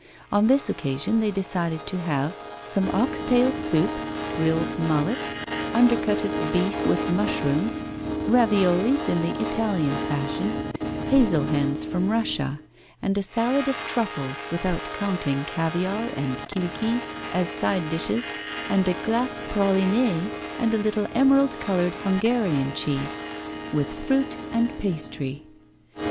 On this occasion they decided to have some ox tail soup, grilled mullet, undercut of beef with mushrooms, raviolis in the Italian fashion, hazel hens from Russia, and a salad of truffles, without counting caviare and kilkis as side dishes, a glace pralinée, and a little emerald coloured Hungarian cheese, with fruit and pastry.